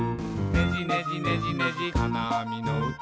「ねじねじねじねじかなあみのうた」